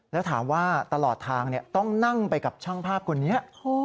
แล้วถามว่าตลอดทางต้องนั่งไปกับช่างภาพคนนี้